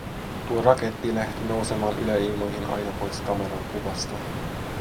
Tuo raketti lähti nousemaan yläilmoihin aina pois kameran kuvasta.